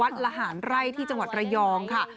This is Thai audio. ละหารไร่ที่จังหวัดระยองค่ะ